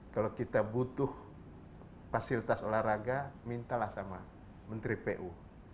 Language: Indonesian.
kalau kita butuh fasilitas olahraga mintalah sama menteri pu